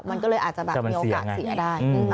มันก็เลยอาจจะแบบมีโอกาสเสียได้